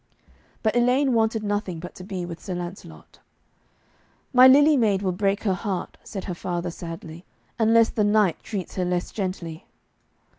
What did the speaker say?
But Elaine wanted nothing but to be with Sir Lancelot. 'My Lily Maid will break her heart,' said her father sadly, 'unless the knight treats her less gently.'